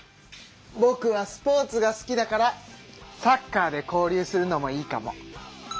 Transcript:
ぼくはスポーツが好きだからサッカーで交流するのもいいかも。